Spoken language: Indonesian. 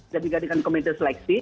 jadinya dengan komite seleksi